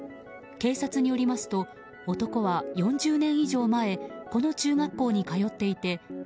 警察によりますと男は４０年以上前この中学校に通っていて